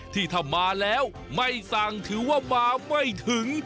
ที่ถ้ามาแล้วไม่สั่งถือว่ามาไม่ถึง